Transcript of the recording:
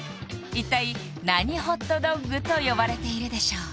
一体何ホットドッグと呼ばれているでしょう？